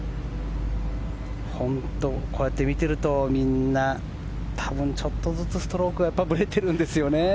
本当にこうやって見ているとみんな多分ちょっとずつストロークがぶれているんですよね。